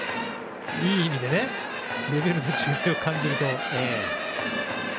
いい意味でレベルの違いを感じると。